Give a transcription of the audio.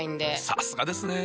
さすがですね。